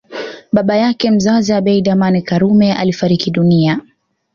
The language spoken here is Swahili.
Baba yake mzazi Abeid Amani Karume alifariki dunia